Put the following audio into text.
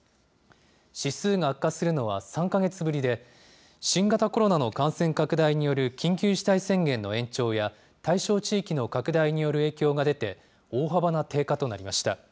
指数が悪化するのは３か月ぶりで、新型コロナの感染拡大による緊急事態宣言の延長や、対象地域の拡大による影響が出て、大幅な低下となりました。